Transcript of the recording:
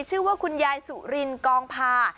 ชื่อว่าคุณยายสุรินกองพา